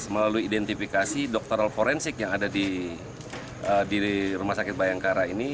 melalui identifikasi doktoral forensik yang ada di rumah sakit bayangkara ini